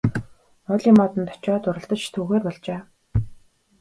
Уулын модонд очоод уралдаж түүхээр болжээ.